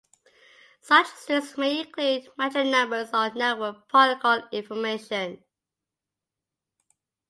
Such strings may include magic numbers or network protocol information.